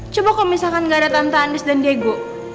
coba kalau misalkan gak ada tante andis dan diego